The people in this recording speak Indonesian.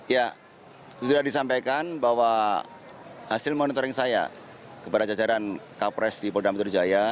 ya sudah disampaikan bahwa hasil monitoring saya kepada jajaran kapolres di pulau dampung terjaya